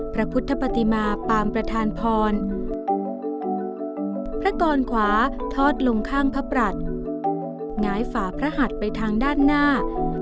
พระพุทธปฏิมาปามประธานพรพระกรขวาทอดลงข้างพระปรัชหงายฝาพระหัดไปทางด้านหน้า